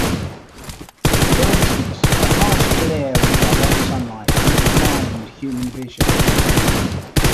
For instance, the harsh glare of direct sunlight can blind human vision.